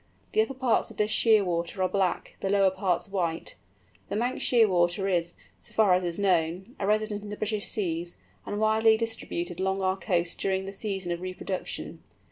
The upper parts of this Shearwater are black, the lower parts white. The Manx Shearwater is, so far as is known, a resident in the British seas, and widely distributed along our coasts during the season of reproduction.